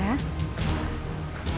tidak aku mau